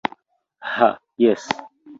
Ha jes!